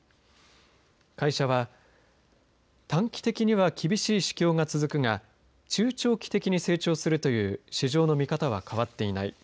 会社は短期的には厳しい市況が続くが中長期的に成長するという市場の見方は変わっていない。